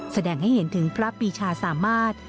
แสดงให้เห็นถึงพระปีชาสามารถ